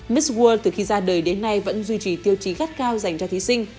miss world từ khi ra đời đến nay vẫn duy trì tiêu chí gắt cao dành cho thí sinh